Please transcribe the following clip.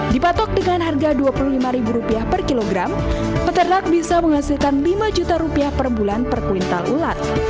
dipatok dengan harga rp dua puluh lima per kilogram peternak bisa menghasilkan lima juta rupiah per bulan per kuintal ulat